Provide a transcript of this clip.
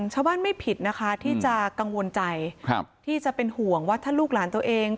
ชาวบ้านไม่ผิดนะคะที่จะกังวลใจที่จะเป็นห่วงว่าถ้าลูกหลานตัวเอง